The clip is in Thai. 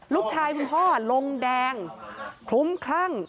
ลูกชายพ่อลงแดงคลุ้มครั่ง